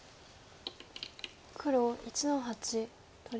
黒１の八取り。